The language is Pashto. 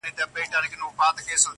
له خېره دي بېزار يم، شر مه رارسوه.